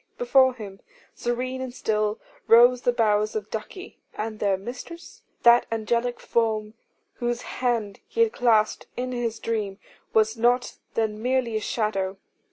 Before him, serene and still, rose the bowers of Ducie. And their mistress? That angelic form whose hand he had clasped in his dream, was not then merely a shadow.